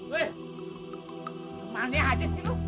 kemahannya aja sih lu